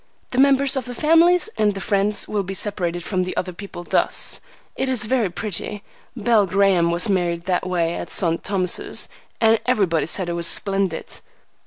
The members of the families and the friends will be separated from the other people thus. It's very pretty. Belle Graham was married that way at St. Thomas's, and everybody said it was splendid."